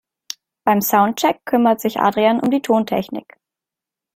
Beim Soundcheck kümmert sich Adrian um die Tontechnik.